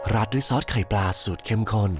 ด้วยซอสไข่ปลาสูตรเข้มข้น